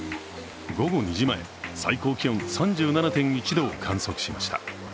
午後２時前、最高気温３７．１度を観測しました。